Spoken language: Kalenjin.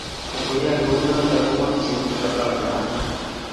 ngoyae kunoto komakchini biik koba oldab maat